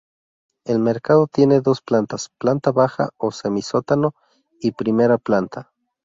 El mercado tiene dos plantas: planta baja o semisótano y primera planta.